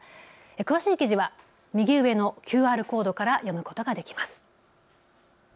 詳しい記事は右上のＱＲコードから読むことができます。